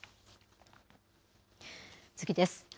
次です。